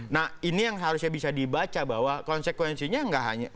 nah ini yang harusnya bisa dibaca bahwa konsekuensinya nggak hanya